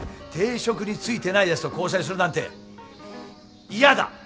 定職に就いてないやつと交際するなんて嫌だ！